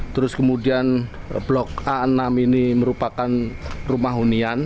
terus kemudian blok a enam ini merupakan rumah hunian